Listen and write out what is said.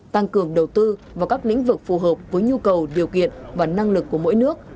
tăng cường đầu tư vào các lĩnh vực phù hợp với nhu cầu điều kiện và năng lực của mỗi nước